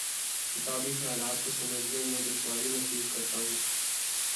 کتابی خیالات کو سمجھنے میں دشواری محسوس کرتا ہوں